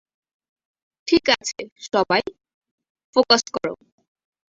ঠিক আছে, সবাই, ফোকাস করো।